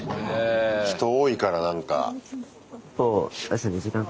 人多いからなんか。